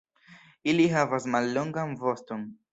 Ili havas mallongan voston.